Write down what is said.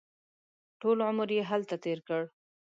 ټول عمر یې هلته تېر کړ.